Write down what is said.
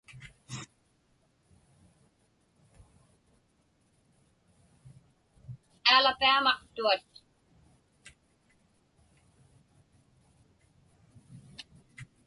Alapaamaqtuat.